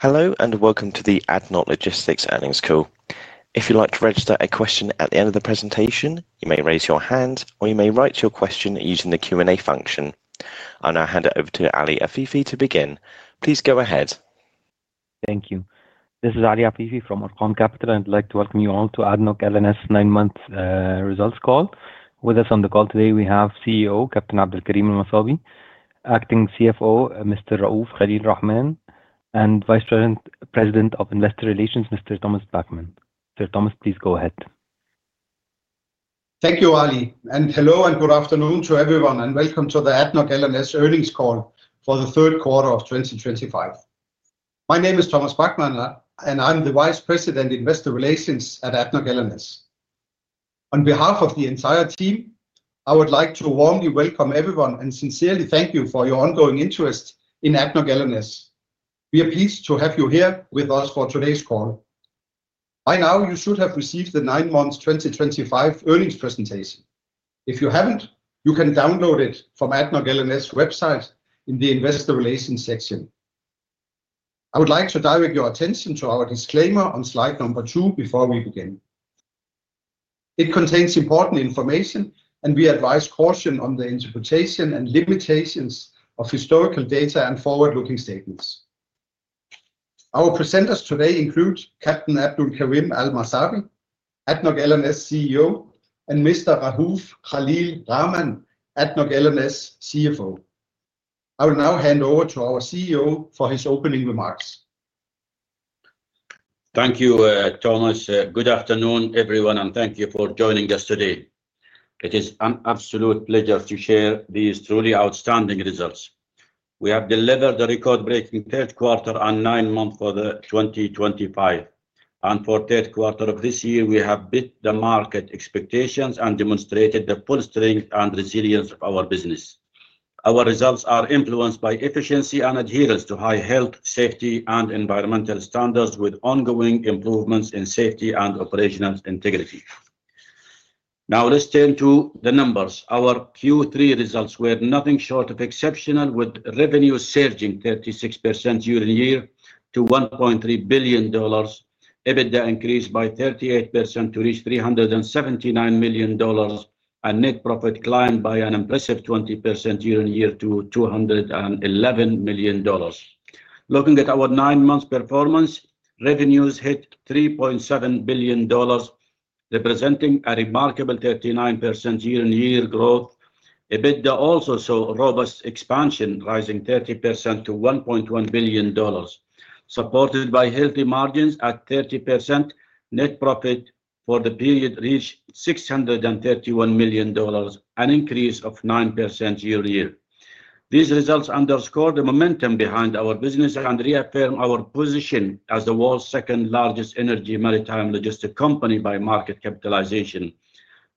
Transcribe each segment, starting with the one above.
Hello and welcome to the ADNOC Logistics earnings call. If you'd like to register a question at the end of the presentation, you may raise your hand, or you may write your question using the Q&A function. I'll now hand it over to Ali Afifi to begin. Please go ahead. Thank you. This is Ali Afifi from Arqaam Capital. I'd like to welcome you to ADNOC L&S nine-month results call. With us on the call today, we have CEO Captain Abdulkareem Al Masabi, Acting CFO Mr. Rauf Khalil Rahman, and Vice President of Investor Relations Mr. Thomas Backmann. Mr. Thomas, please go ahead. Thank you, Ali. Hello and good afternoon to everyone, and welcome the ADNOC L&S earnings call for the third quarter of 2025. My name is Thomas Backmann, and I'm the Vice President of Investor at ADNOC L&S. on behalf of the entire team, I would like to warmly welcome everyone and sincerely thank you for your ongoing in ADNOC L&S. we are pleased to have you here with us for today's call. By now, you should have received the nine-month 2025 earnings presentation. If you haven't, you can download from ADNOC L&S' website in the investor relations section. I would like to direct your attention to our disclaimer on slide number two before we begin. It contains important information, and we advise caution on the interpretation and limitations of historical data and forward-looking statements. Our presenters today include Captain Abdulkareem Al Masabi, ADNOC L&S CEO, and Mr. Rauf Khalil Rahman, ADNOC L&S CFO. I will now hand over to our CEO for his opening remarks. Thank you, Thomas. Good afternoon, everyone, and thank you for joining us today. It is an absolute pleasure to share these truly outstanding results. We have delivered the record-breaking third quarter and nine-month for 2025. For the third quarter of this year, we have beat the market expectations and demonstrated the full strength and resilience of our business. Our results are influenced by efficiency and adherence to high health, safety, and environmental standards, with ongoing improvements in safety and operational integrity. Now, let's turn to the numbers. Our Q3 results were nothing short of exceptional, with revenues surging 36% year-on-year to $1.3 billion, EBITDA increased by 38% to reach $379 million, and net profit climbed by an impressive 20% year-on-year to $211 million. Looking at our nine-month performance, revenues hit $3.7 billion, representing a remarkable 39% year-on-year growth. EBITDA also saw robust expansion, rising 30% to $1.1 billion, supported by healthy margins at 30%. Net profit for the period reached $631 million, an increase of 9% year-on-year. These results underscore the momentum behind our business and reaffirm our position as the world's second-largest energy maritime logistics company by market capitalization.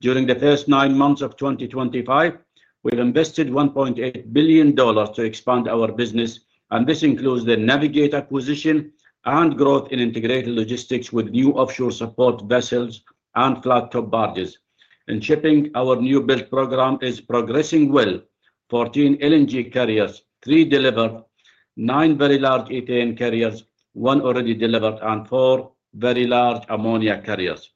During the first nine months of 2025, we've invested $1.8 billion to expand our business, and this includes the Navig8 position and growth in integrated logistics with new offshore support vessels and flat-top barges. In shipping, our new build program is progressing well: 14 LNG carriers, three delivered, nine very large ethane carriers, one already delivered, and four very large ammonia carriers.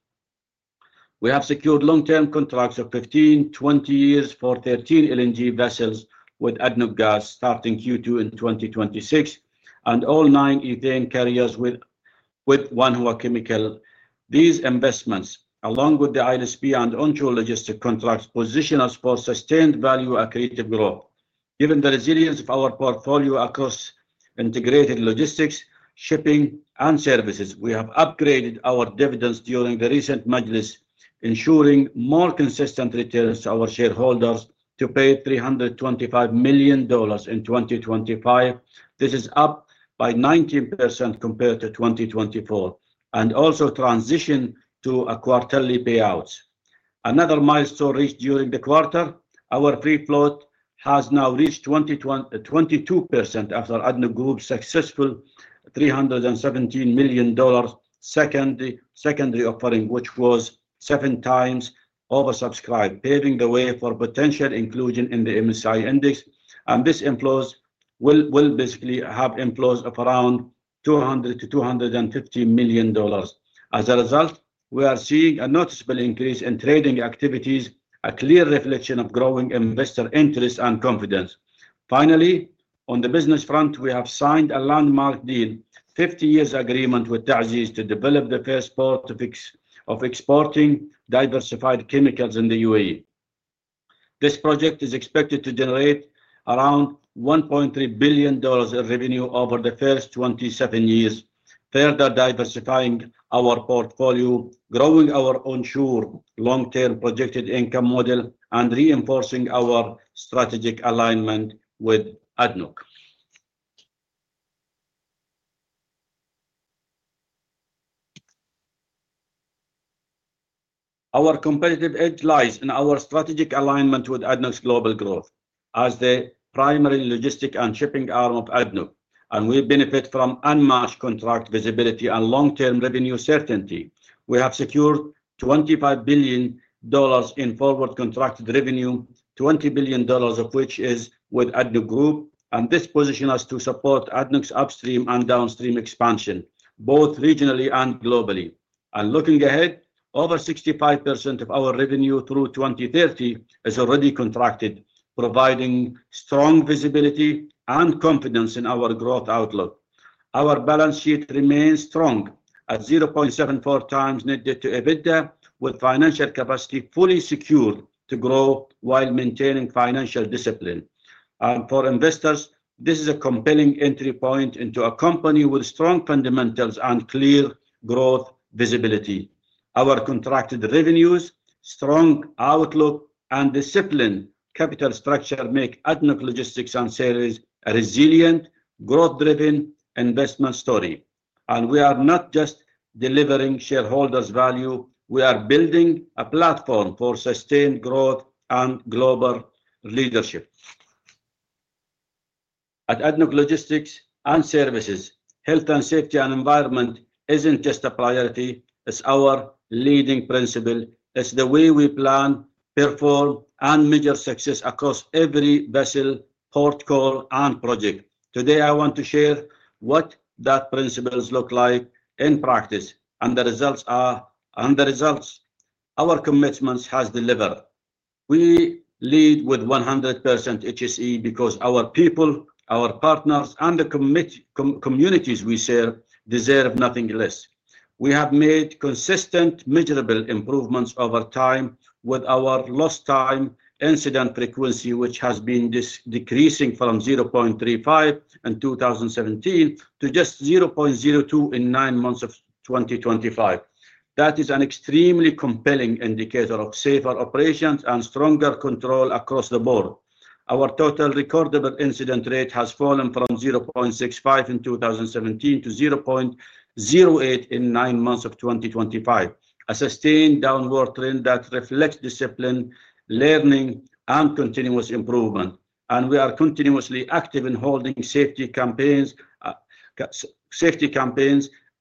We have secured long-term contracts of 15-20 years for 13 LNG vessels with ADNOC Gas starting Q2 in 2026, and all nine ethane carriers with one HUA Chemical. These investments, along with the ILSP and onshore logistics contracts, position us for sustained value-accretive growth. Given the resilience of our portfolio across integrated logistics, shipping, and services, we have upgraded our dividends during the recent majlis, ensuring more consistent returns to our shareholders. To pay $325 million in 2025, this is up by 19% compared to 2024, and also transitioned to quarterly payouts. Another milestone reached during the quarter: our free float has now reached 22% after ADNOC Group's successful $317 million secondary offering, which was seven times oversubscribed, paving the way for potential inclusion in the MSCI Index. This will basically have inflows of around $200 million-$250 million. As a result, we are seeing a noticeable increase in trading activities, a clear reflection of growing investor interest and confidence. Finally, on the business front, we have signed a landmark deal, a 50-year agreement with TASEES to develop the first port of exporting diversified chemicals in the UAE. This project is expected to generate around $1.3 billion in revenue over the first 27 years, further diversifying our portfolio, growing our onshore long-term projected income model, and reinforcing our strategic alignment with ADNOC. Our competitive edge lies in our strategic alignment with ADNOC's global growth as the primary logistic and shipping arm of ADNOC, and we benefit from unmatched contract visibility and long-term revenue certainty. We have secured $25 billion in forward contracted revenue, $20 billion of which is with ADNOC Group, and this positions us to support ADNOC's upstream and downstream expansion, both regionally and globally. Looking ahead, over 65% of our revenue through 2030 is already contracted, providing strong visibility and confidence in our growth outlook. Our balance sheet remains strong at 0.74x net debt to EBITDA, with financial capacity fully secured to grow while maintaining financial discipline. For investors, this is a compelling entry point into a company with strong fundamentals and clear growth visibility. Our contracted revenues, strong outlook, and disciplined capital structure make ADNOC L&S a resilient, growth-driven investment story. We are not just delivering shareholders' value; we are building a platform for sustained growth and global leadership. At ADNOC L&S, health and safety and environment isn't just a priority; it's our leading principle. It's the way we plan, perform, and measure success across every vessel, port, call, and project. Today, I want to share what that principle looks like in practice, and the results our commitments have delivered. We lead with 100% HSE because our people, our partners, and the communities we serve deserve nothing less. We have made consistent, measurable improvements over time with our lost time incident frequency, which has been decreasing from 0.35 in 2017 to just 0.02 in nine months of 2025. That is an extremely compelling indicator of safer operations and stronger control across the board. Our total recordable incident rate has fallen from 0.65 in 2017 to 0.08 in nine months of 2025, a sustained downward trend that reflects discipline, learning, and continuous improvement. We are continuously active in holding safety campaigns.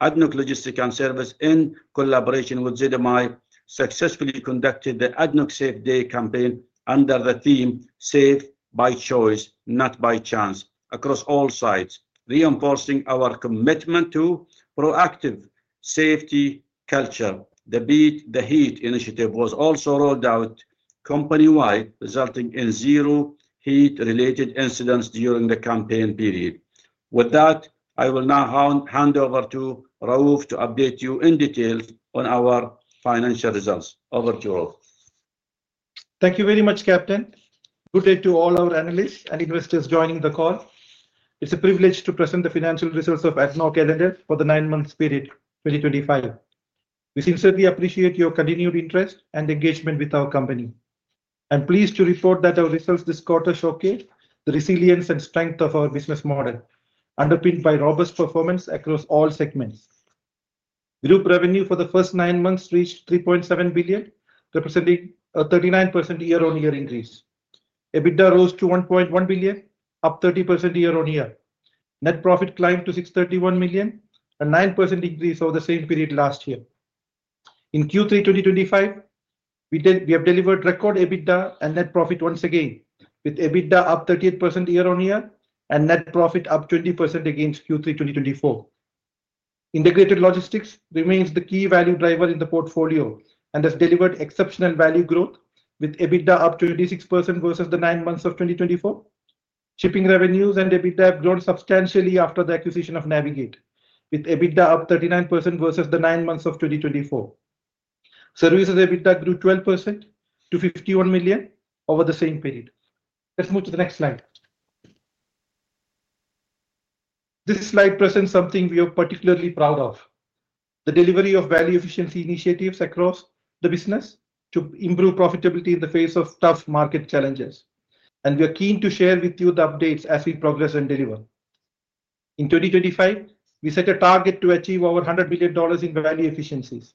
ADNOC Logistics & Services, in collaboration with ZMI, successfully conducted the ADNOC Safe Day campaign under the theme "Safe by Choice, Not by Chance" across all sites, reinforcing our commitment to proactive safety culture. The Beat the Heat initiative was also rolled out company-wide, resulting in zero heat-related incidents during the campaign period. With that, I will now hand over to Rauf to update you in detail on our financial results. Over to Rauf. Thank you very much, Captain. Good day to all our analysts and investors joining the call. It's a privilege to present the financial of ADNOC L&S for the nine-month period 2025. We sincerely appreciate your continued interest and engagement with our company. I'm pleased to report that our results this quarter showcase the resilience and strength of our business model, underpinned by robust performance across all segments. Group revenue for the first nine months reached $3.7 billion, representing a 39% year-on-year increase. EBITDA rose to $1.1 billion, up 30% year-on-year. Net profit climbed to $631 million, a 9% increase over the same period last year. In Q3 2025, we have delivered record EBITDA and net profit once again, with EBITDA up 38% year-on-year and net profit up 20% against Q3 2024. Integrated logistics remains the key value driver in the portfolio and has delivered exceptional value growth, with EBITDA up 26% versus the nine months of 2024. Shipping revenues and EBITDA have grown substantially after the acquisition of Navig8, with EBITDA up 39% versus the nine months of 2024. Services EBITDA grew 12% to $51 million over the same period. Let's move to the next slide. This slide presents something we are particularly proud of: the delivery of value efficiency initiatives across the business to improve profitability in the face of tough market challenges. We are keen to share with you the updates as we progress and deliver. In 2025, we set a target to achieve over $100 million in value efficiencies.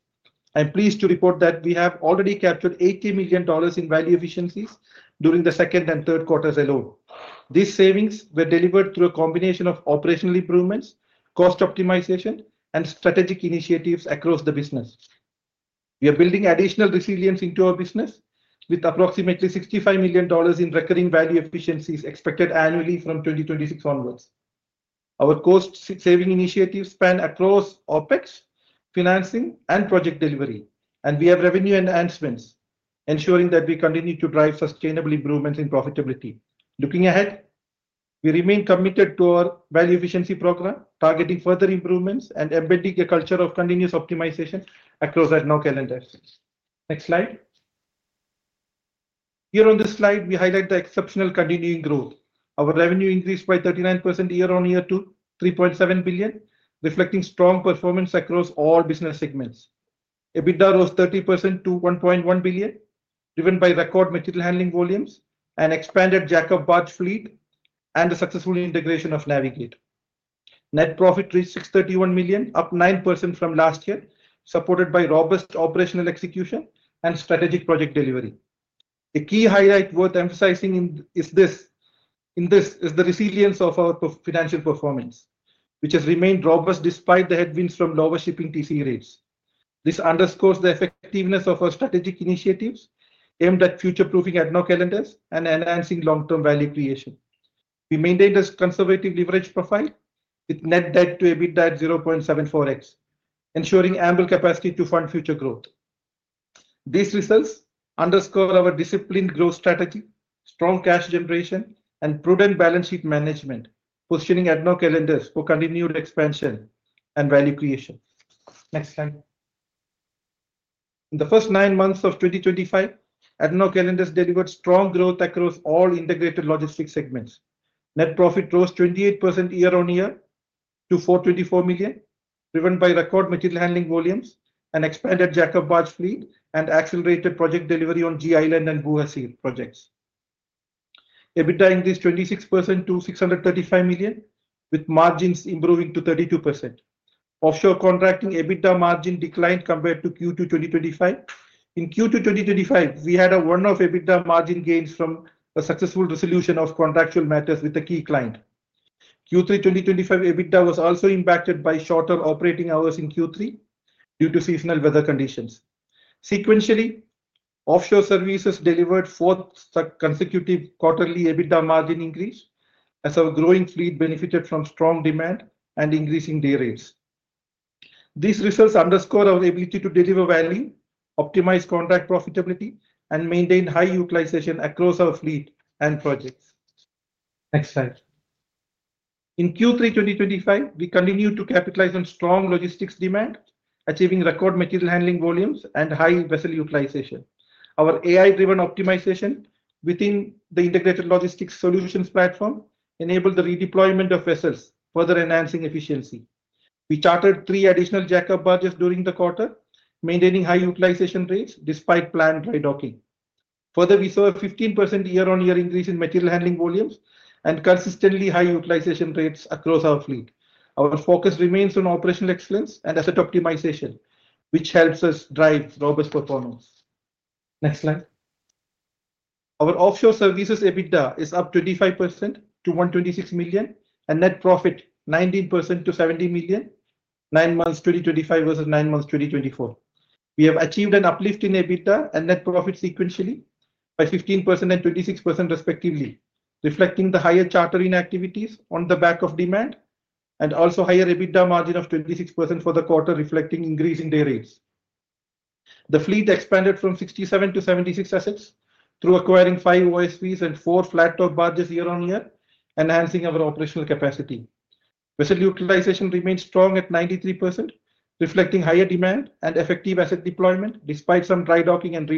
I'm pleased to report that we have already captured $80 million in value efficiencies during the second and third quarters alone. These savings were delivered through a combination of operational improvements, cost optimization, and strategic initiatives across the business. We are building additional resilience into our business with approximately $65 million in recurring value efficiencies expected annually from 2026 onwards. Our cost-saving initiatives span across OpEx, financing, and project delivery, and we have revenue enhancements, ensuring that we continue to drive sustainable improvements in profitability. Looking ahead, we remain committed to our value efficiency program, targeting further improvements and embedding a culture of continuous optimization across ADNOC L&S. Next slide. Here on this slide, we highlight the exceptional continuing growth. Our revenue increased by 39% year-on-year to $3.7 billion, reflecting strong performance across all business segments. EBITDA rose 30% to $1.1 billion, driven by record material handling volumes and expanded jack-up barge fleet and the successful integration of Navig8. Net profit reached $631 million, up 9% from last year, supported by robust operational execution and strategic project delivery. The key highlight worth emphasizing in this is the resilience of our financial performance, which has remained robust despite the headwinds from lower shipping TC rates. This underscores the effectiveness of our strategic initiatives aimed future-proofing ADNOC L&S and enhancing long-term value creation. We maintained a conservative leverage profile with net debt to EBITDA at 0.74x, ensuring ample capacity to fund future growth. These results underscore our disciplined growth strategy, strong cash generation, and prudent balance sheet positioning ADNOC L&S for continued expansion and value creation. Next slide. In the first nine months 2025, ADNOC L&S delivered strong growth across all integrated logistics segments. Net profit rose 28% year-on-year to $424 million, driven by record material handling volumes, an expanded jack-up barge fleet, and accelerated project delivery on G Island and Buhasa projects. EBITDA increased 26% to $635 million, with margins improving to 32%. Offshore contracting EBITDA margin declined compared to Q2 2025. In Q2 2025, we had a run of EBITDA margin gains from the successful resolution of contractual matters with a key client. Q3 2025 EBITDA was also impacted by shorter operating hours in Q3 due to seasonal weather conditions. Sequentially, offshore services delivered fourth consecutive quarterly EBITDA margin increase as our growing fleet benefited from strong demand and increasing day rates. These results underscore our ability to deliver value, optimize contract profitability, and maintain high utilization across our fleet and projects. Next slide. In Q3 2025, we continued to capitalize on strong logistics demand, achieving record material handling volumes and high vessel utilization. Our AI-driven optimization within the Integrated Logistics Solutions platform enabled the redeployment of vessels, further enhancing efficiency. We chartered three additional jack-up barges during the quarter, maintaining high utilization rates despite planned dry docking. Further, we saw a 15% year-on-year increase in material handling volumes and consistently high utilization rates across our fleet. Our focus remains on operational excellence and asset optimization, which helps us drive robust performance. Next slide. Our offshore services EBITDA is up 25% to $126 million and net profit 19% to $70 million nine months 2025 versus nine months 2024. We have achieved an uplift in EBITDA and net profit sequentially by 15% and 26% respectively, reflecting the higher chartering activities on the back of demand and also a higher EBITDA margin of 26% for the quarter, reflecting increasing day rates. The fleet expanded from 67 to 76 assets through acquiring five OSVs and four flat top barges year-on-year, enhancing our operational capacity. Vessel utilization remains strong at 93%, reflecting higher demand and effective asset deployment despite some dry docking and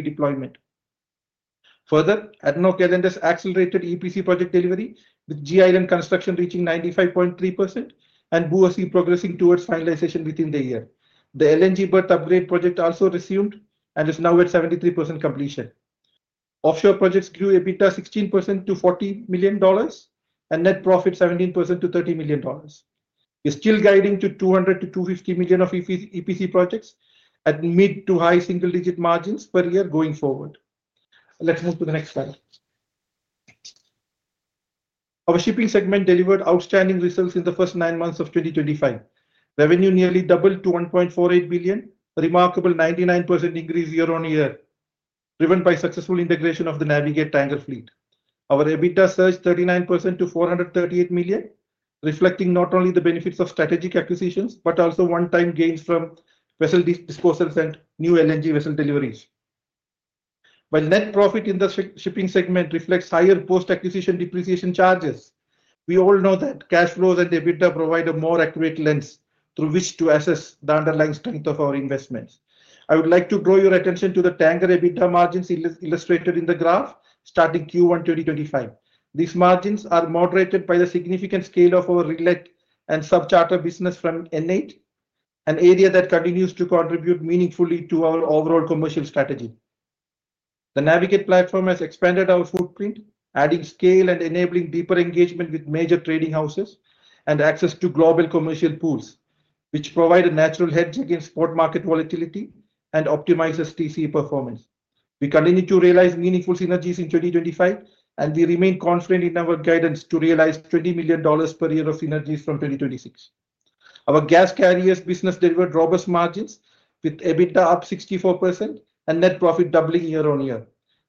further, ADNOC L&S accelerated EPC project delivery with G Island construction reaching 95.3% and Buhasa progressing towards finalization within the year. The LNG berth upgrade project also resumed and is now at 73% completion. Offshore projects grew EBITDA 16% to $40 million and net profit 17% to $30 million. We're still guiding to $200 million-$250 million of EPC projects at mid to high single-digit margins per year going forward. Let's move to the next slide. Our shipping segment delivered outstanding results in the first nine months of 2025. Revenue nearly doubled to $1.48 billion, a remarkable 99% increase year-on-year, driven by successful integration of the Navig8 tanker fleet. Our EBITDA surged 39% to $438 million, reflecting not only the benefits of strategic acquisitions but also one-time gains from vessel disposals and new LNG vessel deliveries. While net profit in the shipping segment reflects higher post-acquisition depreciation charges, we all know that cash flows and EBITDA provide a more accurate lens through which to assess the underlying strength of our investments. I would like to draw your attention to the tanker EBITDA margins illustrated in the graph starting Q1 2025. These margins are moderated by the significant scale of our relate and subcharter business from Navig8, an area that continues to contribute meaningfully to our overall commercial strategy. The Navig8 platform has expanded our footprint, adding scale and enabling deeper engagement with major trading houses and access to global commercial pools, which provide a natural hedge against spot market volatility and optimizes TC performance. We continue to realize meaningful synergies in 2025, and we remain confident in our guidance to realize $20 million per year of synergies from 2026. Our gas carriers business delivered robust margins with EBITDA up 64% and net profit doubling year-on-year.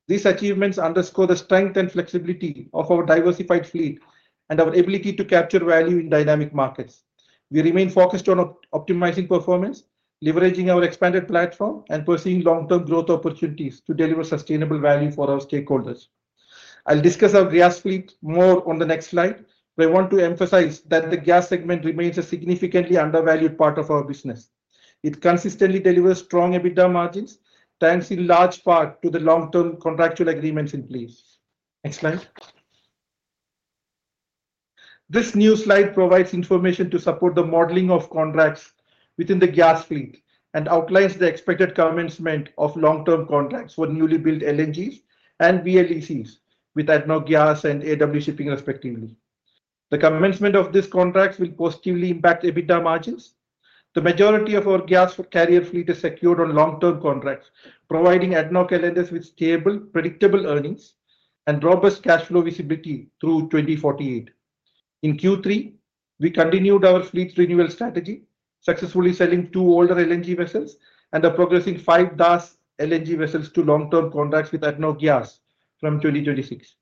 These achievements underscore the strength and flexibility of our diversified fleet and our ability to capture value in dynamic markets. We remain focused on optimizing performance, leveraging our expanded platform, and pursuing long-term growth opportunities to deliver sustainable value for our stakeholders. I'll discuss our gas fleet more on the next slide, but I want to emphasize that the gas segment remains a significantly undervalued part of our business. It consistently delivers strong EBITDA margins, thanks in large part to the long-term contractual agreements in place. Next slide. This new slide provides information to support the modeling of contracts within the gas fleet and outlines the expected commencement of long-term contracts for newly built LNGs and BLCCs with ADNOC Gas and AW Shipping respectively. The commencement of these contracts will positively impact EBITDA margins. The majority of our gas carrier fleet is secured on long-term providing ADNOC L&S with stable, predictable earnings and robust cash flow visibility through 2048. In Q3, we continued our fleet renewal strategy, successfully selling two older LNG vessels and the progressing five DAS LNG vessels to long-term contracts with ADNOC Gas from 2026.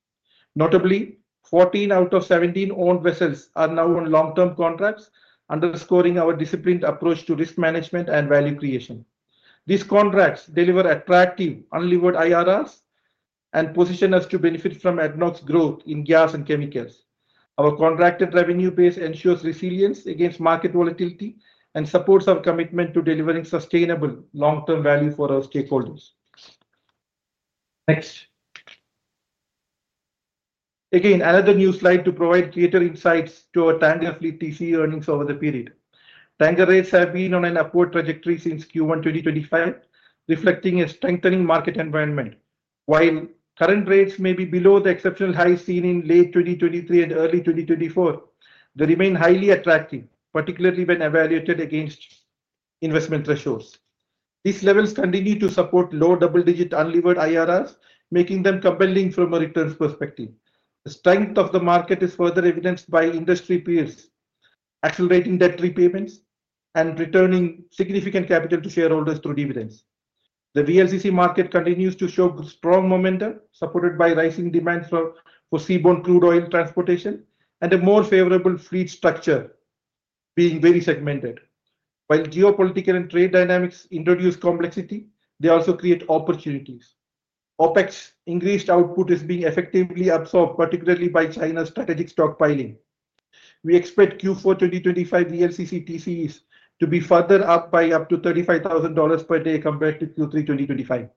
Notably, 14 out of 17 owned vessels are now on long-term contracts, underscoring our disciplined approach to risk management and value creation. These contracts deliver attractive unlevered IRRs and position us to benefit from ADNOC's growth in gas and chemicals. Our contracted revenue base ensures resilience against market volatility and supports our commitment to delivering sustainable long-term value for our stakeholders. Next. Again, another new slide to provide greater insights to our Tangle fleet TC earnings over the period. Tangle rates have been on an upward trajectory since Q1 2025, reflecting a strengthening market environment. While current rates may be below the exceptional highs seen in late 2023 and early 2024, they remain highly attractive, particularly when evaluated against investment thresholds. These levels continue to support low double-digit unlevered IRRs, making them compelling from a returns perspective. The strength of the market is further evidenced by industry peers accelerating debt repayments and returning significant capital to shareholders through dividends. The BLCC market continues to show strong momentum, supported by rising demand for seaborne crude oil transportation and a more favorable fleet structure being very segmented. While geopolitical and trade dynamics introduce complexity, they also create opportunities. OpEx increased output is being effectively absorbed, particularly by China's strategic stockpiling. We expect Q4 2025 BLCC TCs to be further up by up to $35,000 per day compared to Q3 2025.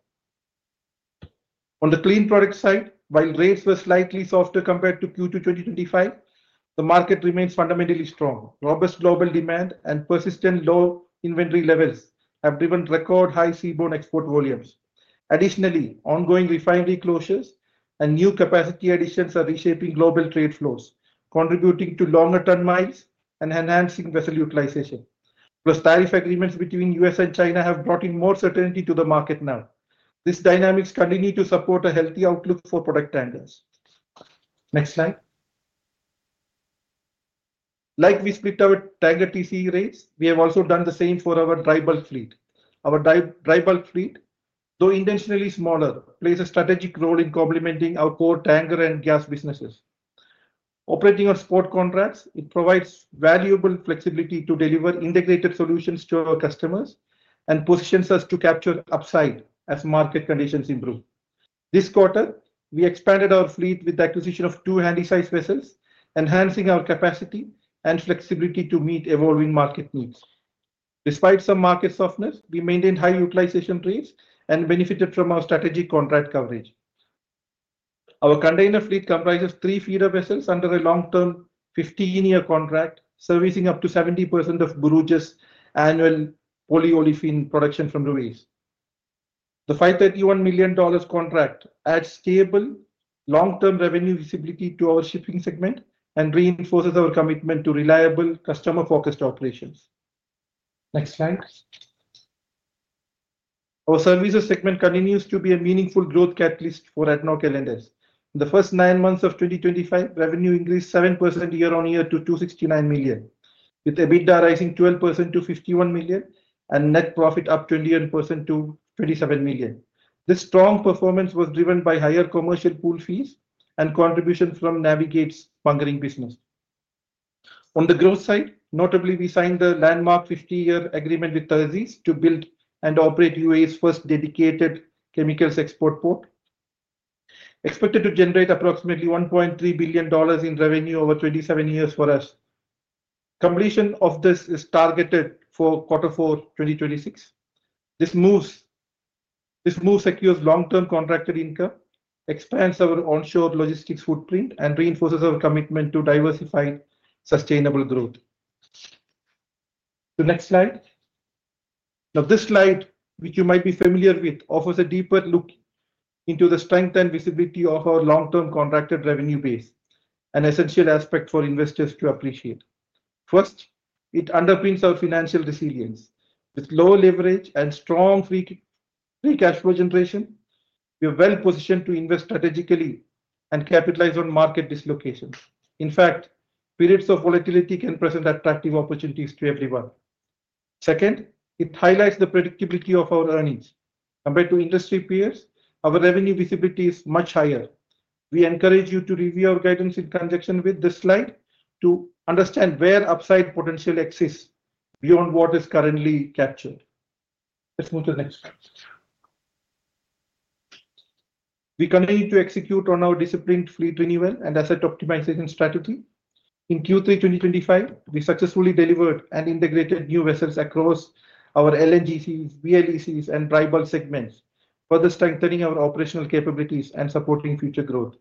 On the clean product side, while rates were slightly softer compared to Q2 2025, the market remains fundamentally strong. Robust global demand and persistent low inventory levels have driven record high seaborne export volumes. Additionally, ongoing refinery closures and new capacity additions are reshaping global trade flows, contributing to longer turnmiles and enhancing vessel utilization. Plus, tariff agreements between the U.S. and China have brought in more certainty to the market now. These dynamics continue to support a healthy outlook for product tankers. Next slide. Like we split our tanker TC rates, we have also done the same for our dry bulk fleet. Our dry bulk fleet, though intentionally smaller, plays a strategic role in complementing our core tanker and gas businesses. Operating on spot contracts, it provides valuable flexibility to deliver integrated solutions to our customers and positions us to capture upside as market conditions improve. This quarter, we expanded our fleet with the acquisition of two handy-sized vessels, enhancing our capacity and flexibility to meet evolving market needs. Despite some market softness, we maintained high utilization rates and benefited from our strategic contract coverage. Our container fleet comprises three feeder vessels under a long-term 15-year contract, servicing up to 70% of Borouge's annual polyolefin production from Ruwais. The $531 million contract adds stable long-term revenue visibility to our shipping segment and reinforces our commitment to reliable, customer-focused operations. Next slide. Our services segment continues to be a meaningful growth for ADNOC L&S. in the first nine months of 2025, revenue increased 7% year-on-year to $269 million, with EBITDA rising 12% to $51 million and net profit up 21% to $27 million. This strong performance was driven by higher commercial pool fees and contributions from Navig8's bunkering business. On the growth side, notably, we signed the landmark 50-year agreement with TASEES to build and operate UAE's first dedicated chemicals export port, expected to generate approximately $1.3 billion in revenue over 27 years for us. Completion of this is targeted for Q4 2026. This move secures long-term contractor income, expands our onshore logistics footprint, and reinforces our commitment to diversified sustainable growth. The next slide. Now, this slide, which you might be familiar with, offers a deeper look into the strength and visibility of our long-term contracted revenue base, an essential aspect for investors to appreciate. First, it underpins our financial resilience. With low leverage and strong free cash flow generation, we are well positioned to invest strategically and capitalize on market dislocations. In fact, periods of volatility can present attractive opportunities to everyone. Second, it highlights the predictability of our earnings. Compared to industry peers, our revenue visibility is much higher. We encourage you to review our guidance in conjunction with this slide to understand where upside potential exists beyond what is currently captured. Let's move to the next slide. We continue to execute on our disciplined fleet renewal and asset optimization strategy. In Q3 2025, we successfully delivered and integrated new vessels across our LNGCs, BLCCs, and dry bulk segments, further strengthening our operational capabilities and supporting future growth.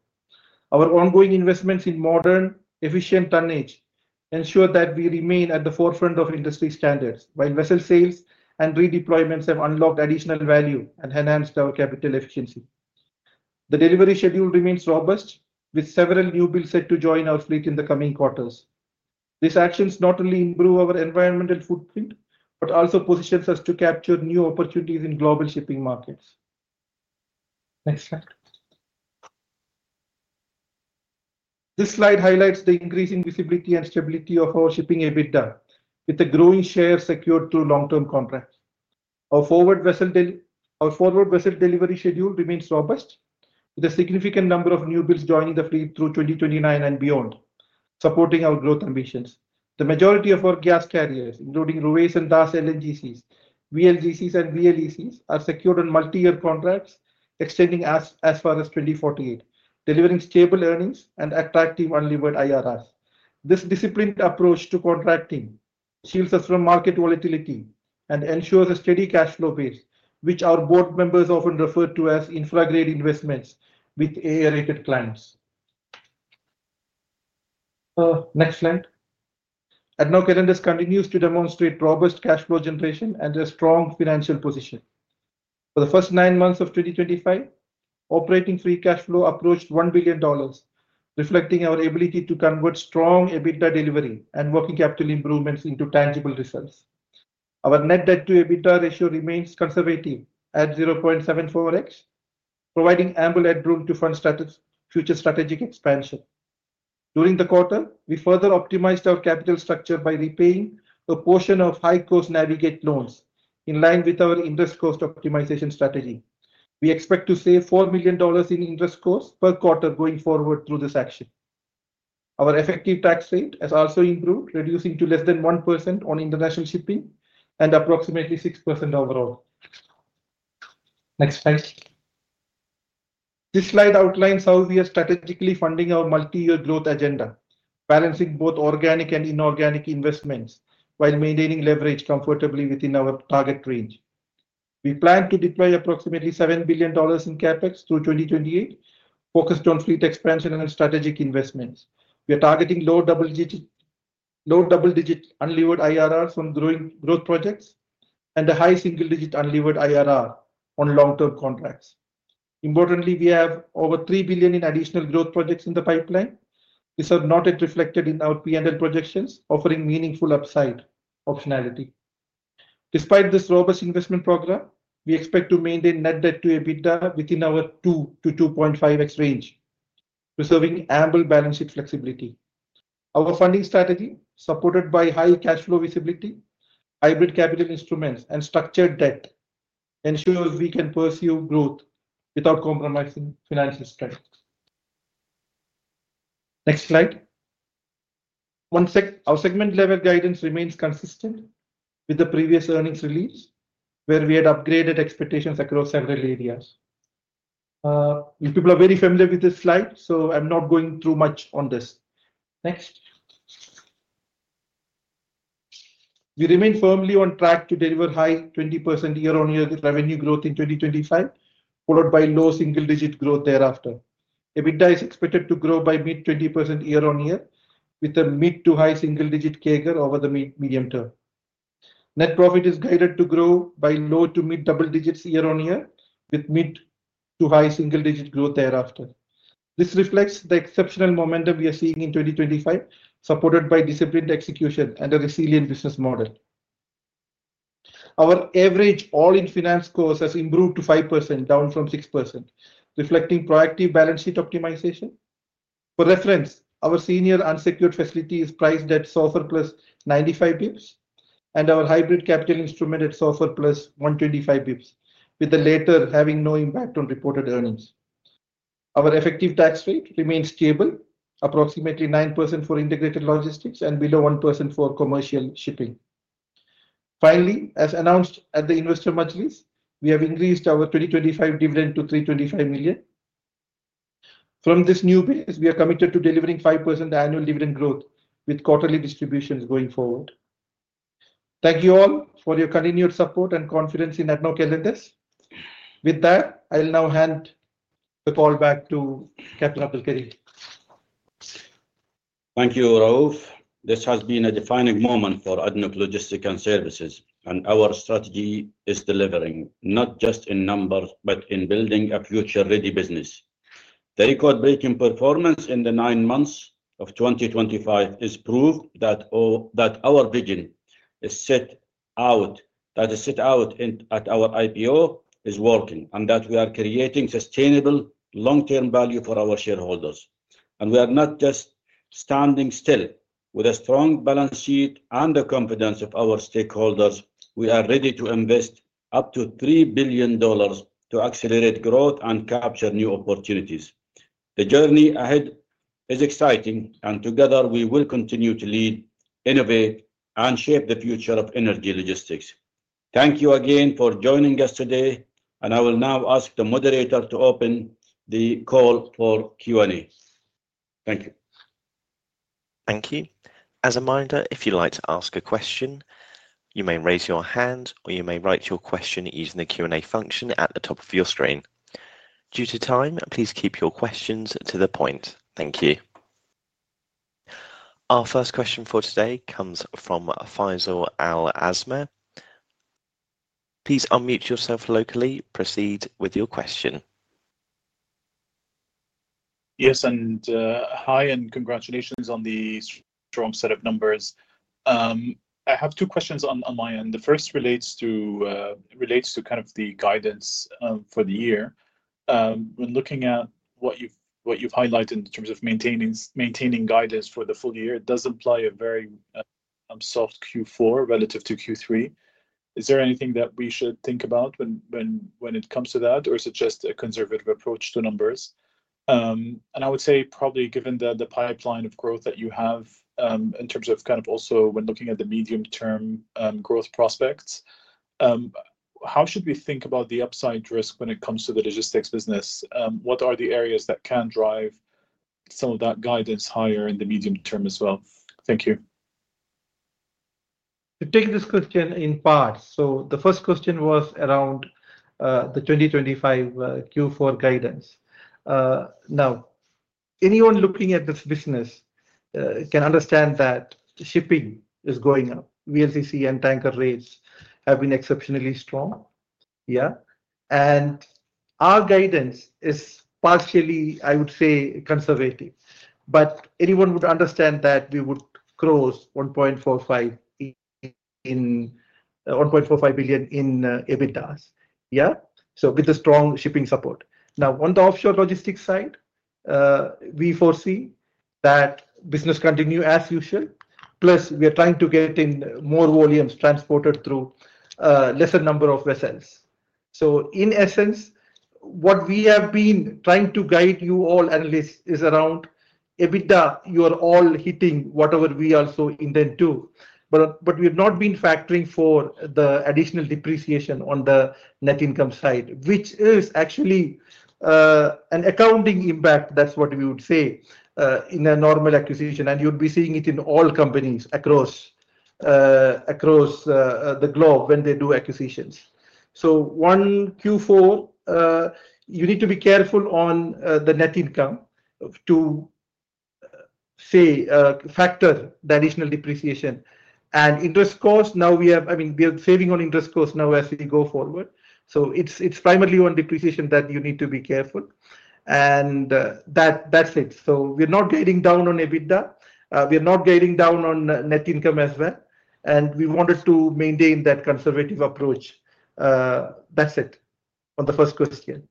Our ongoing investments in modern, efficient tonnage ensure that we remain at the forefront of industry standards, while vessel sales and redeployments have unlocked additional value and enhanced our capital efficiency. The delivery schedule remains robust, with several new builds set to join our fleet in the coming quarters. This action not only improves our environmental footprint but also positions us to capture new opportunities in global shipping markets. Next slide. This slide highlights the increasing visibility and stability of our shipping EBITDA, with a growing share secured through long-term contracts. Our forward vessel delivery schedule remains robust, with a significant number of new builds joining the fleet through 2029 and beyond, supporting our growth ambitions. The majority of our gas carriers, including Ruwais and DAS LNGCs, BLGCs, and BLECs, are secured on multi-year contracts extending as far as 2048, delivering stable earnings and attractive unlevered IRRs. This disciplined approach to contracting shields us from market volatility and ensures a steady cash flow base, which our board members often refer to as infra-grade investments with AA-rated clients. slide. ADNOC L&S continues to demonstrate robust cash flow generation and a strong financial position. For the first nine months of 2025, operating free cash flow approached $1 billion, reflecting our ability to convert strong EBITDA delivery and working capital improvements into tangible results. Our net debt-to-EBITDA ratio remains conservative at 0.74x, providing ample headroom to fund future strategic expansion. During the quarter, we further optimized our capital structure by repaying a portion of high-cost Navig8 loans in line with our interest cost optimization strategy. We expect to save $4 million in interest costs per quarter going forward through this action. Our effective tax rate has also improved, reducing to less than 1% on international shipping and approximately 6% overall. Next slide. This slide outlines how we are strategically funding our multi-year growth agenda, balancing both organic and inorganic investments while maintaining leverage comfortably within our target range. We plan to deploy approximately $7 billion in CapEx through 2028, focused on fleet expansion and strategic investments. We are targeting low double-digit unlevered IRRs on growing growth projects and a high single-digit unlevered IRR on long-term contracts. Importantly, we have over $3 billion in additional growth projects in the pipeline. These are not yet reflected in our P&L projections, offering meaningful upside optionality. Despite this robust investment program, we expect to maintain net debt-to-EBITDA within our 2-2.5x range, preserving ample balance sheet flexibility. Our funding strategy, supported by high cash flow visibility, hybrid capital instruments, and structured debt, ensures we can pursue growth without compromising financial strength. Next slide. Our segment level guidance remains consistent with the previous earnings release, where we had upgraded expectations across several areas. People are very familiar with this slide, so I'm not going through much on this. Next. We remain firmly on track to deliver high 20% year-on-year revenue growth in 2025, followed by low single-digit growth thereafter. EBITDA is expected to grow by mid-20% year-on-year, with a mid-to-high single-digit CAGR over the medium term. Net profit is guided to grow by low to mid double digits year-on-year, with mid-to-high single-digit growth thereafter. This reflects the exceptional momentum we are seeing in 2025, supported by disciplined execution and a resilient business model. Our average all-in finance cost has improved to 5%, down from 6%, reflecting proactive balance sheet optimization. For reference, our senior unsecured facility is priced at SOFR plus 95 basis points, and our hybrid capital instrument at SOFR plus 125 basis points, with the latter having no impact on reported earnings. Our effective tax rate remains stable, approximately 9% for integrated logistics and below 1% for commercial shipping. Finally, as announced at the investor majlis, we have increased our 2025 dividend to $325 million. From this new base, we are committed to delivering 5% annual dividend growth, with quarterly distributions going forward. Thank you all for your continued support and confidence in ADNOC L&S. With that, I'll now hand the call back to Captain Abdulkareem. Thank you, Rauf. This has been a defining moment for ADNOC L&S, and our strategy is delivering not just in numbers, but in building a future-ready business. The record-breaking performance in the nine months of 2025 is proof that our vision is set out, that it's set out at our IPO, is working, and that we are creating sustainable long-term value for our shareholders. We are not just standing still. With a strong balance sheet and the confidence of our stakeholders, we are ready to invest up to $3 billion to accelerate growth and capture new opportunities. The journey ahead is exciting, and together we will continue to lead, innovate, and shape the future of energy logistics. Thank you again for joining us today, and I will now ask the moderator to open the call for Q&A. Thank you. Thank you. As a reminder, if you'd like to ask a question, you may raise your hand or you may write your question using the Q&A function at the top of your screen. Due to time, please keep your questions to the point. Thank you. Our first question for today comes from Faisal Al-Azma. Please unmute yourself locally. Proceed with your question. Yes, and hi, and congratulations on the strong set of numbers. I have two questions on my end. The first relates to kind of the guidance for the year. When looking at what you've highlighted in terms of maintaining guidance for the full year, it does imply a very soft Q4 relative to Q3. Is there anything that we should think about when it comes to that, or is it just a conservative approach to numbers? I would say probably given the pipeline of growth that you have in terms of kind of also when looking at the medium-term growth prospects, how should we think about the upside risk when it comes to the logistics business? What are the areas that can drive some of that guidance higher in the medium term as well? Thank you. To take this question in part. The first question was around the 2025 Q4 guidance. Now, anyone looking at this business can understand that shipping is going up. VLCC and tanker rates have been exceptionally strong. Our guidance is partially, I would say, conservative. Anyone would understand that we would close $1.45 billion in EBITDA. With the strong shipping support. Now, on the offshore logistics side, we foresee that business continue as usual. Plus, we are trying to get in more volumes transported through a lesser number of vessels. In essence, what we have been trying to guide you all analysts is around EBITDA, you are all hitting whatever we also intend to. We have not been factoring for the additional depreciation on the net income side, which is actually an accounting impact, that's what we would say, in a normal acquisition. You would be seeing it in all companies across the globe when they do acquisitions. For Q4, you need to be careful on the net income to factor the additional depreciation. Interest cost, now we have, I mean, we are saving on interest cost now as we go forward. It is primarily on depreciation that you need to be careful. That's it. We're not getting down on EBITDA. We are not getting down on net income as well. We wanted to maintain that conservative approach. That's it on the first question.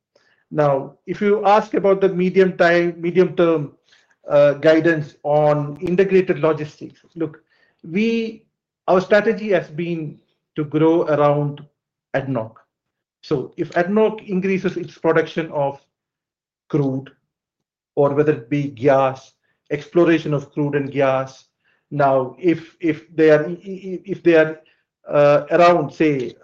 Now, if you ask about the medium-term guidance on integrated logistics, look, our strategy has been to grow around ADNOC. If ADNOC increases its production of crude or whether it be gas, exploration of crude and gas. If they are around, say,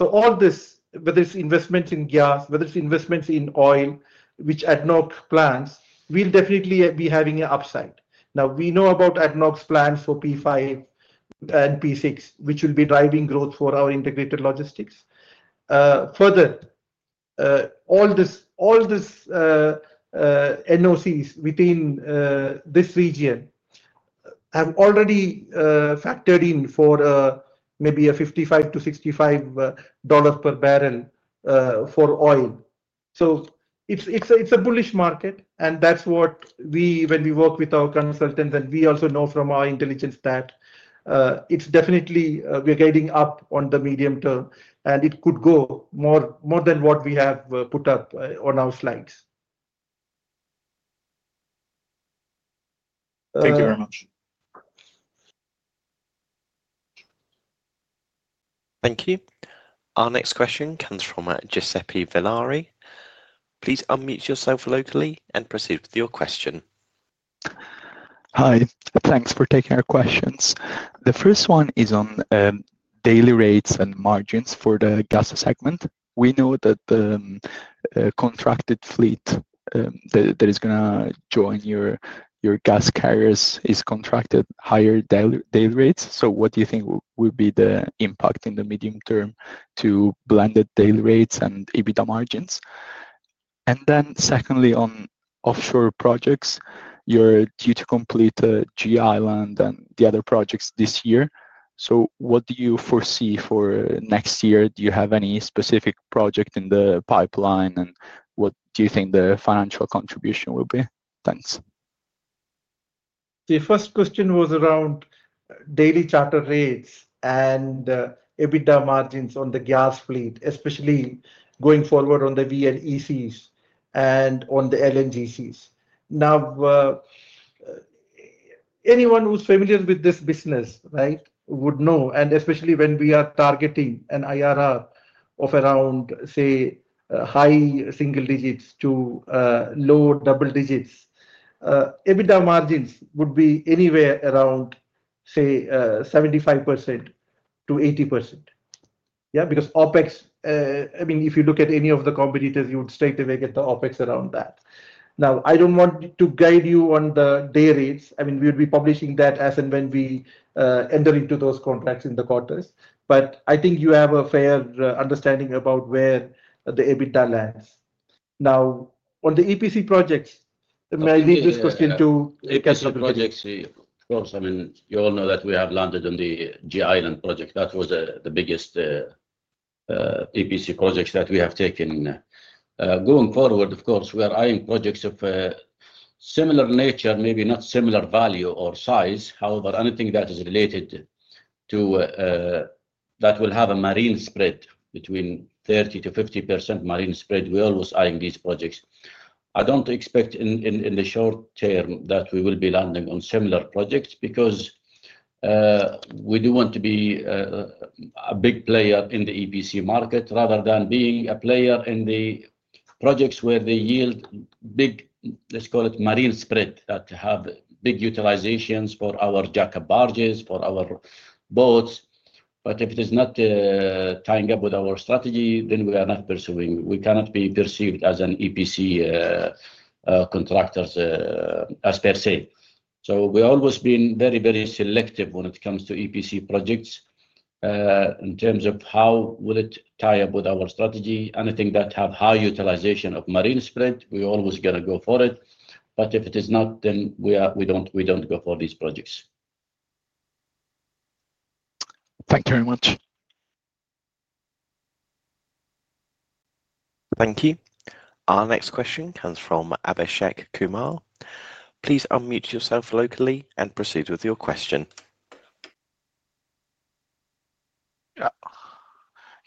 all this, whether it's investments in gas, whether it's investments in oil, which ADNOC plans, we'll definitely be having an upside. We know about ADNOC's plans for P5 and P6, which will be driving growth for our integrated logistics. Further, all these NOCs within this region have already factored in for maybe $55-$65 per bbl for oil. It's a bullish market, and that's what we, when we work with our consultants, and we also know from our intelligence that it's definitely we're getting up on the medium term, and it could go more than what we have put up on our slides. Thank you very much. Thank you. Our next question comes from Giuseppe Villari. Please unmute yourself locally and proceed with your question. Hi. Thanks for taking our questions. The first one is on daily rates and margins for the gas segment. We know that the contracted fleet that is going to join your gas carriers is contracted higher daily rates. What do you think will be the impact in the medium term to blended daily rates and EBITDA margins? And then secondly, on offshore projects, you're due to complete G Island and the other projects this year. What do you foresee for next year? Do you have any specific project in the pipeline, and what do you think the financial contribution will be? Thanks. The first question was around daily charter rates and EBITDA margins on the gas fleet, especially going forward on the VLECs and on the LNGCs. Now, anyone who's familiar with this business, right, would know, and especially when we are targeting an IRR of around, say, high single digits to low double digits, EBITDA margins would be anywhere around, say, 75%-80%. Yeah, because OpEx, I mean, if you look at any of the competitors, you would straight away get the OpEx around that. I don't want to guide you on the day rates. I mean, we would be publishing that as and when we enter into those contracts in the quarters. I think you have a fair understanding about where the EBITDA lands. Now, on the EPC projects, may I leave this question to Captain Abdulkareem? EPC projects, of course. I mean, you all know that we have landed on the G Island project. That was the biggest EPC project that we have taken. Going forward, of course, we are eyeing projects of similar nature, maybe not similar value or size. However, anything that is related to that will have a marine spread between 30%-50% marine spread. We're always eyeing these projects. I don't expect in the short term that we will be landing on similar projects because we do want to be a big player in the EPC market rather than being a player in the projects where they yield big, let's call it marine spread that have big utilizations for our jack-up barges, for our boats. If it is not tying up with our strategy, then we are not pursuing. We cannot be perceived as an EPC contractor per se. We have always been very, very selective when it comes to EPC projects in terms of how it will tie up with our strategy. Anything that has high utilization of marine spread, we are always going to go for it. If it is not, then we do not go for these projects. Thank you very much. Thank you. Our next question comes from Abhishek Kumar.Please unmute yourself locally and proceed with your question.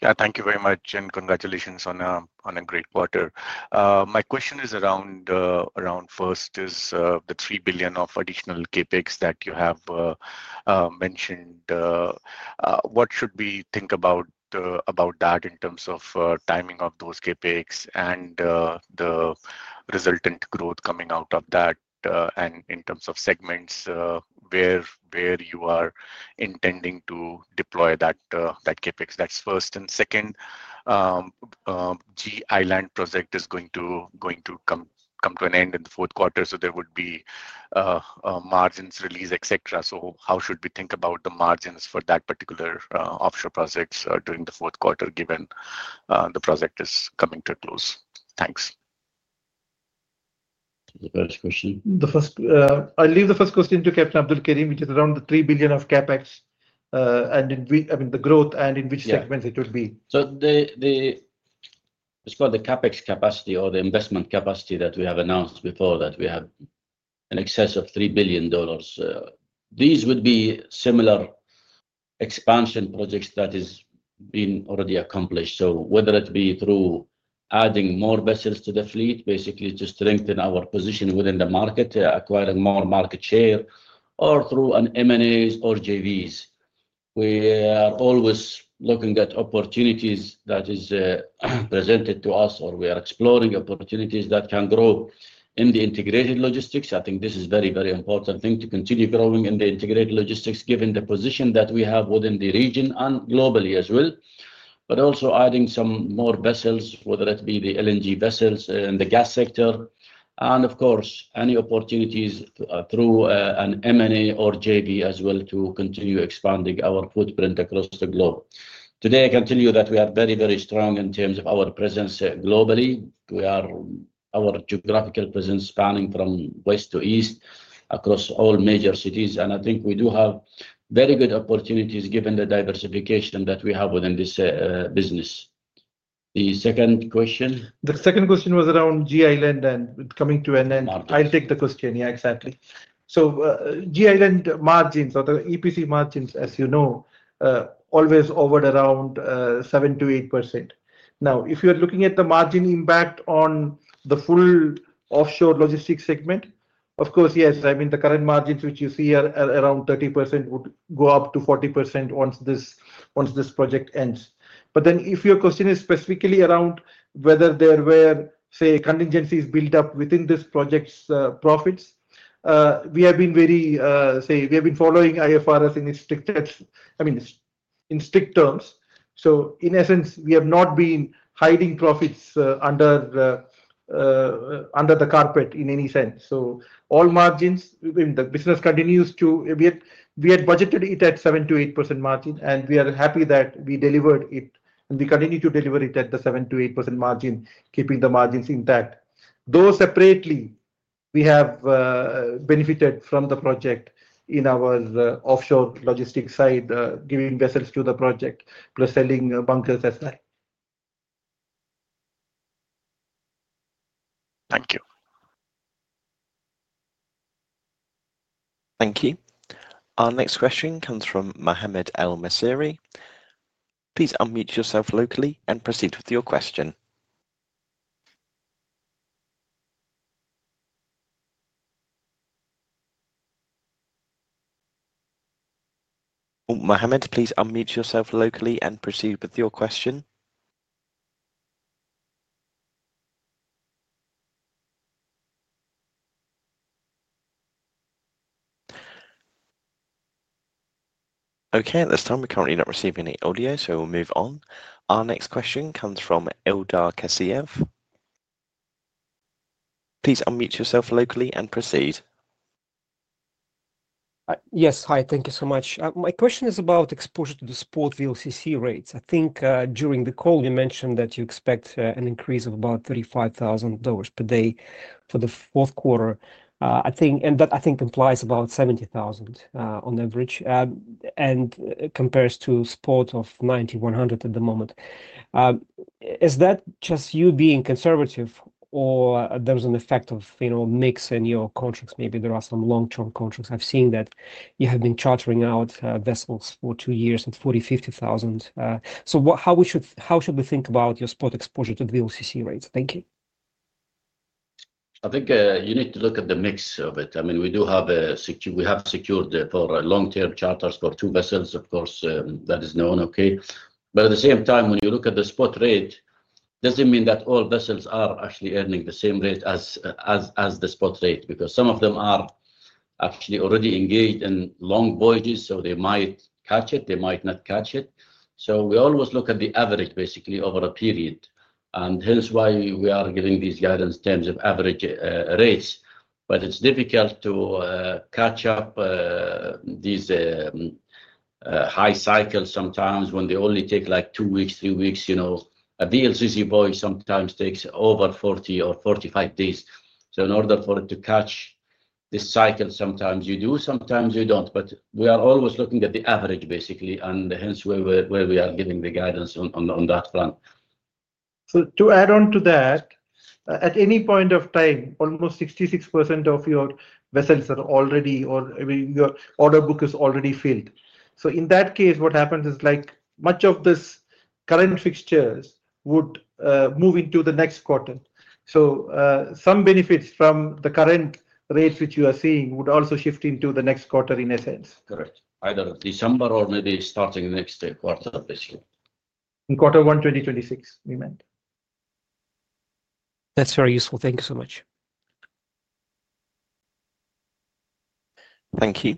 Yeah. Thank you very much, and congratulations on a great quarter. My question is around first is the $3 billion of additional CapEx that you have mentioned. What should we think about that in terms of timing of those CapEx and the resultant growth coming out of that, and in terms of segments where you are intending to deploy that CapEx? That's first. Second, G Island project is going to come to an end in the fourth quarter, so there would be margins released, etc. How should we think about the margins for that particular offshore projects during the fourth quarter given the project is coming to a close? Thanks. The first question. I'll leave the first question to Captain Abdulkareem, which is around the $3 billion of CapEx and in which, I mean, the growth and in which segments it would be. It's called the CapEx capacity or the investment capacity that we have announced before that we have in excess of $3 billion. These would be similar expansion projects that have been already accomplished. Whether it be through adding more vessels to the fleet, basically to strengthen our position within the market, acquiring more market share, or through M&As or JVs. We are always looking at opportunities that are presented to us, or we are exploring opportunities that can grow in the integrated logistics. I think this is a very, very important thing to continue growing in the integrated logistics given the position that we have within the region and globally as well, but also adding some more vessels, whether it be the LNG vessels in the gas sector, and of course, any opportunities through an M&A or JV as well to continue expanding our footprint across the globe. Today, I can tell you that we are very, very strong in terms of our presence globally. Our geographical presence spanning from west to east across all major cities. I think we do have very good opportunities given the diversification that we have within this business. The second question. The second question was around G Island and coming to an end. I'll take the question. Yeah, exactly. G Island margins or the EPC margins, as you know, always over and around 7%-8%. Now, if you're looking at the margin impact on the full offshore logistics segment, of course, yes. I mean, the current margins which you see are around 30% would go up to 40% once this project ends. If your question is specifically around whether there were, say, contingencies built up within this project's profits, we have been very, say, we have been following IFRS in strict terms. In essence, we have not been hiding profits under the carpet in any sense. All margins, the business continues to, we had budgeted it at 7%-8% margin, and we are happy that we delivered it, and we continue to deliver it at the 7%-8% margin, keeping the margins intact. Though separately, we have benefited from the project in our offshore logistics side, giving vessels to the project, plus selling bunkers as well. Thank you. Thank you. Our next question comes from Mohammed El-Masiri. Please unmute yourself locally and proceed with your question. Mohammed, please unmute yourself locally and proceed with your question. Okay. At this time, we're currently not receiving any audio, so we'll move on. Our next question comes from Ildar Kassiev. Please unmute yourself locally and proceed. Yes. Hi. Thank you so much. My question is about exposure to the spot VLCC rates. I think during the call, you mentioned that you expect an increase of about $35,000 per day for the fourth quarter. And that, I think, implies about 70,000 on average and compares to spot of 9,100 at the moment. Is that just you being conservative, or there's an effect of mix in your contracts? Maybe there are some long-term contracts. I've seen that you have been chartering out vessels for two years at $40,000-$50,000. How should we think about your spot exposure to VLCC rates? Thank you. I think you need to look at the mix of it. I mean, we have secured for long-term charters for two vessels, of course. That is known, okay. At the same time, when you look at the spot rate, it does not mean that all vessels are actually earning the same rate as the spot rate because some of them are actually already engaged in long voyages, so they might catch it. They might not catch it. We always look at the average, basically, over a period. Hence why we are giving these guidance terms of average rates. It's difficult to catch up these high cycles sometimes when they only take like two weeks, three weeks. A VLCC voyage sometimes takes over 40 or 45 days. In order for it to catch this cycle, sometimes you do, sometimes you don't. We are always looking at the average, basically, and hence where we are giving the guidance on that front. To add on to that, at any point of time, almost 66% of your vessels are already, or your order book is already filled. In that case, what happens is much of these current fixtures would move into the next quarter. Some benefits from the current rates which you are seeing would also shift into the next quarter in a sense. Correct. Either December or maybe starting next quarter, basically. In quarter one, 2026, we meant. That's very useful. Thank you so much. Thank you.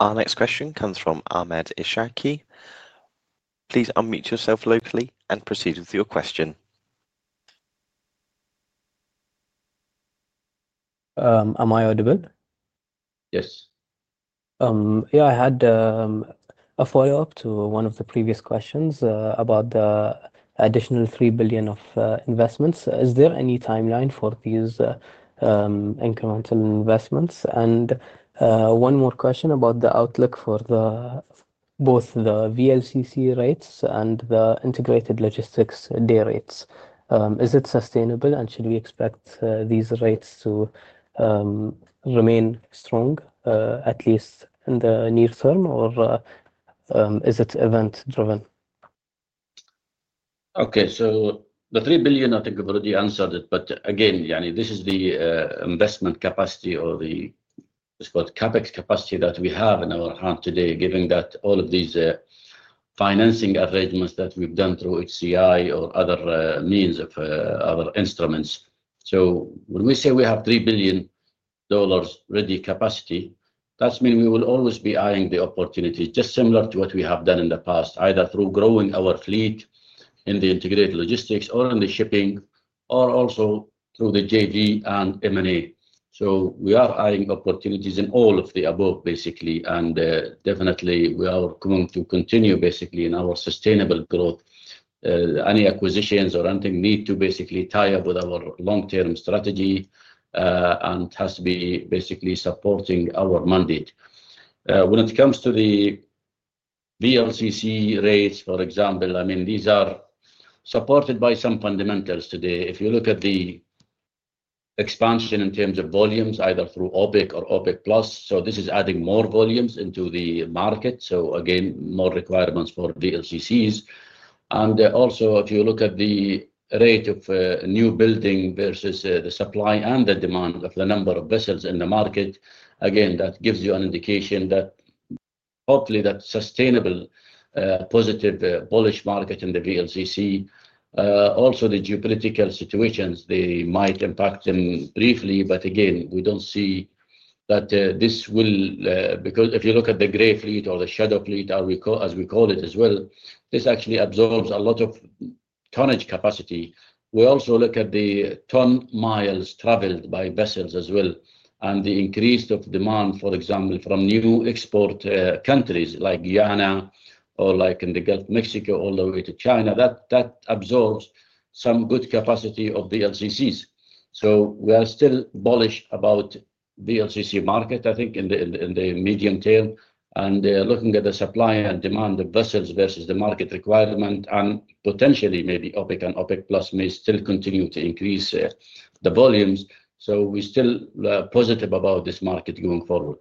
Our next question comes from Ahmed Ishaqi. Please unmute yourself locally and proceed with your question. Am I audible? Yes. Yeah. I had a follow-up to one of the previous questions about the additional $3 billion of investments. Is there any timeline for these incremental investments? And one more question about the outlook for both the VLCC rates and the integrated logistics day rates. Is it sustainable, and should we expect these rates to remain strong, at least in the near term, or is it event-driven? Okay. The $3 billion, I think I've already answered it. Again, this is the investment capacity or the, let's call it, CapEx capacity that we have in our hand today, given that all of these financing arrangements that we've done through HCI or other means of other instruments. When we say we have $3 billion ready capacity, that means we will always be eyeing the opportunity, just similar to what we have done in the past, either through growing our fleet in the integrated logistics or in the shipping or also through the JV and M&A. We are eyeing opportunities in all of the above, basically. Definitely, we are going to continue, basically, in our sustainable growth. Any acquisitions or anything need to basically tie up with our long-term strategy and has to be basically supporting our mandate. When it comes to the VLCC rates, for example, I mean, these are supported by some fundamentals today. If you look at the expansion in terms of volumes, either through OPEC or OPEC+, this is adding more volumes into the market. Again, more requirements for VLCCs. If you look at the rate of new building versus the supply and the demand of the number of vessels in the market, again, that gives you an indication that hopefully that sustainable positive bullish market in the VLCC, also the geopolitical situations, they might impact them briefly. Again, we do not see that this will because if you look at the gray fleet or the shadow fleet, as we call it as well, this actually absorbs a lot of tonnage capacity. We also look at the ton miles traveled by vessels as well and the increased demand, for example, from new export countries like Ghana or like in the Gulf of Mexico all the way to China, that absorbs some good capacity of VLCCs. We are still bullish about the VLCC market, I think, in the medium term. Looking at the supply and demand of vessels versus the market requirement, and potentially maybe OPEC and OPEC+ may still continue to increase the volumes. We are still positive about this market going forward.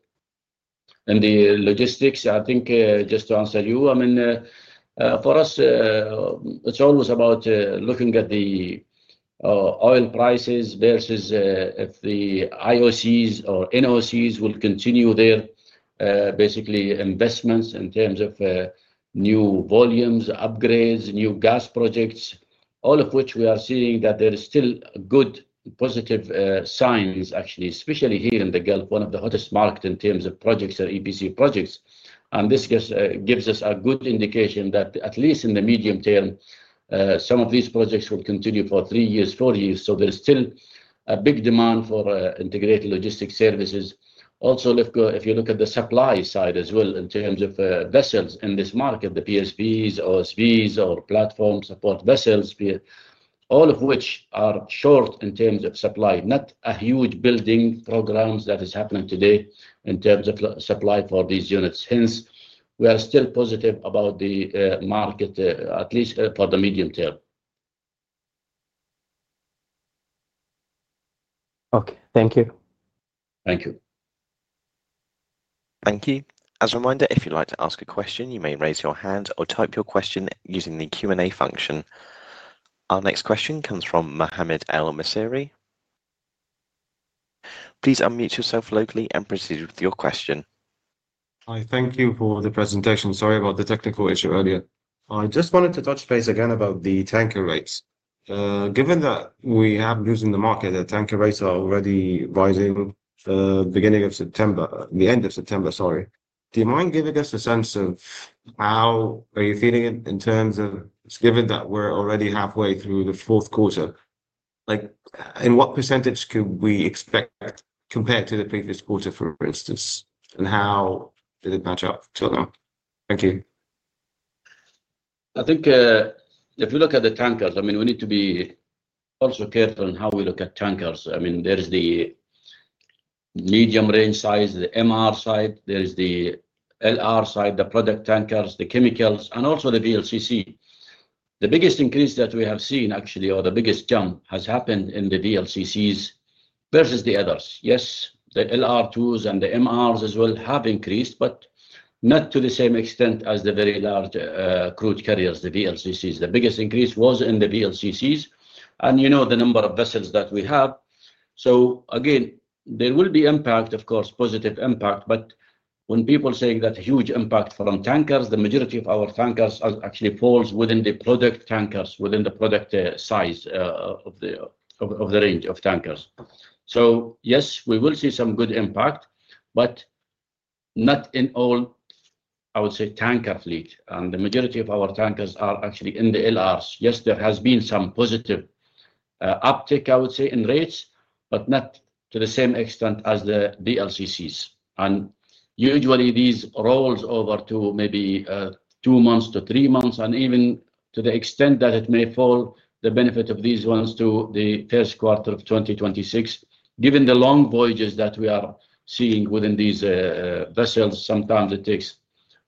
The logistics, I think, just to answer you, I mean, for us, it is always about looking at the oil prices versus if the IOCs or NOCs will continue their basically investments in terms of new volumes, upgrades, new gas projects, all of which we are seeing that there are still good positive signs, actually, especially here in the Gulf, one of the hottest markets in terms of projects or EPC projects. This gives us a good indication that at least in the medium term, some of these projects will continue for three years, four years. There is still a big demand for integrated logistics services. Also, if you look at the supply side as well in terms of vessels in this market, the PSPs, OSVs, or platform support vessels, all of which are short in terms of supply, not a huge building program that is happening today in terms of supply for these units. Hence, we are still positive about the market, at least for the medium term. Okay. Thank you. Thank you. As a reminder, if you'd like to ask a question, you may raise your hand or type your question using the Q&A function. Our next question comes from Mohammed El-Masiri. Please unmute yourself locally and proceed with your question. Hi. Thank you for the presentation. Sorry about the technical issue earlier. I just wanted to touch base again about the tanker rates. Given that we have losing the market, the tanker rates are already rising the beginning of September, the end of September, sorry. Do you mind giving us a sense of how are you feeling it in terms of, given that we're already halfway through the fourth quarter? In what percentage could we expect compared to the previous quarter, for instance? And how did it match up to them? Thank you. I think if you look at the tankers, I mean, we need to be also careful in how we look at tankers. I mean, there's the medium range side, the MR side, there's the LR side, the product tankers, the chemicals, and also the VLCC. The biggest increase that we have seen, actually, or the biggest jump has happened in the VLCCs versus the others. Yes, the LR2s and the MRs as well have increased, but not to the same extent as the very large crude carriers, the VLCCs. The biggest increase was in the VLCCs and the number of vessels that we have. Again, there will be impact, of course, positive impact. When people say that huge impact from tankers, the majority of our tankers actually falls within the product tankers, within the product size of the range of tankers. Yes, we will see some good impact, but not in all, I would say, tanker fleet. The majority of our tankers are actually in the LRs. Yes, there has been some positive uptick, I would say, in rates, but not to the same extent as the VLCCs. Usually, these roll over to maybe two months to three months, and even to the extent that it may fall, the benefit of these ones to the first quarter of 2026, given the long voyages that we are seeing within these vessels. Sometimes it takes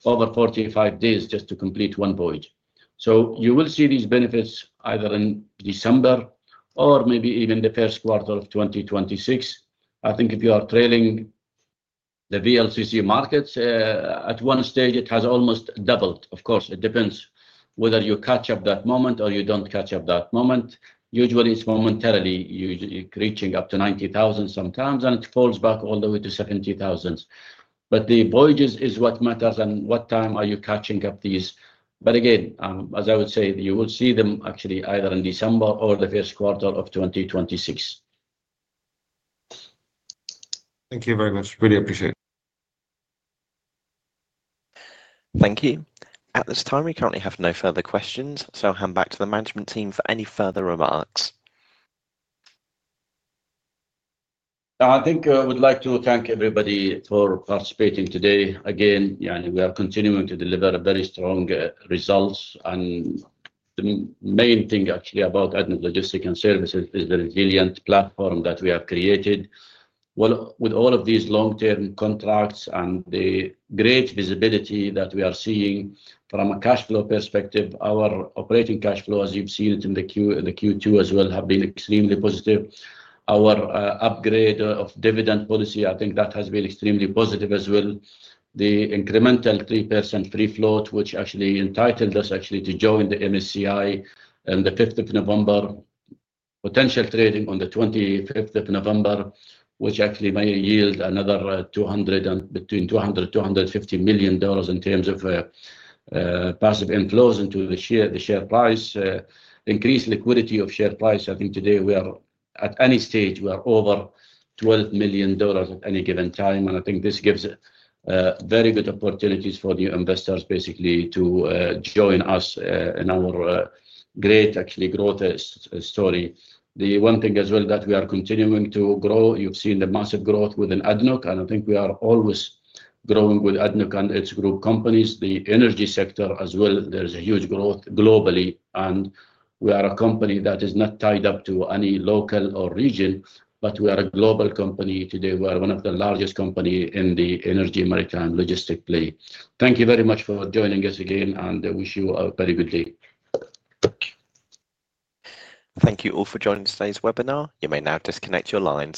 over 45 days just to complete one voyage. You will see these benefits either in December or maybe even the first quarter of 2026. I think if you are trailing the VLCC markets, at one stage, it has almost doubled. Of course, it depends whether you catch up that moment or you do not catch up that moment. Usually, it is momentarily reaching up to $90,000 sometimes, and it falls back all the way to $70,000. The voyages are what matter and what time you are catching up these. Again, as I would say, you will see them actually either in December or the first quarter of 2026. Thank you very much. Really appreciate it. Thank you. At this time, we currently have no further questions, so I'll hand back to the management team for any further remarks. I think I would like to thank everybody for participating today. Again, we are continuing to deliver very strong results. The main thing, actually, about ADNOC L&S is the resilient platform that we have created. With all of these long-term contracts and the great visibility that we are seeing from a cash flow perspective, our operating cash flow, as you've seen it in the Q2 as well, has been extremely positive. Our upgrade of dividend policy, I think that has been extremely positive as well. The incremental 3% free float, which actually entitled us to join the MSCI on the 5th of November, potential trading on the 25th of November, which actually may yield another between $200 million and $250 million in terms of passive inflows into the share price, increased liquidity of share price. I think today, at any stage, we are over $12 million at any given time. I think this gives very good opportunities for new investors, basically, to join us in our great, actually, growth story. The one thing as well that we are continuing to grow, you've seen the massive growth within ADNOC, and I think we are always growing with ADNOC and its group companies. The energy sector as well, there is a huge growth globally. We are a company that is not tied up to any local or region, but we are a global company. Today, we are one of the largest companies in the energy market and logistic play. Thank you very much for joining us again, and I wish you a very good day. Thank you. Thank you all for joining today's webinar. You may now disconnect your lines.